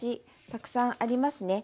たくさんありますね。